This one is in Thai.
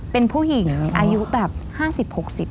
เป็นผู้หญิงอายุแบบ